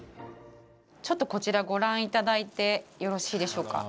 ちょっと、こちらご覧いただいてよろしいでしょうか。